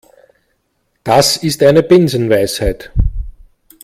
Das ist eine Binsenweisheit.